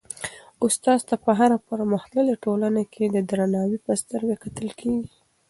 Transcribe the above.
استاد ته په هره پرمختللي ټولنه کي د درناوي په سترګه کتل کيږي.